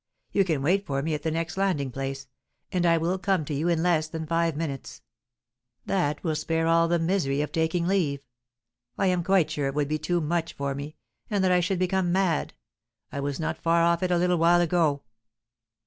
You can wait for me at the next landing place, and I will come to you in less than five minutes; that will spare all the misery of taking leave. I am quite sure it would be too much for me, and that I should become mad! I was not far off it a little while ago."